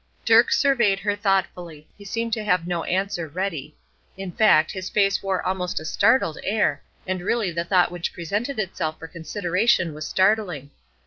Dirk surveyed her thoughtfully; he seemed to have no answer ready. In fact, his face wore almost a startled air, and really the thought which presented itself for consideration was startling.